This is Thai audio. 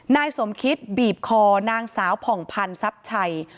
นายสมคิตบีบคอนางสาวผ่องพันธ์ทรัพย์ชัย